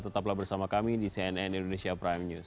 tetaplah bersama kami di cnn indonesia prime news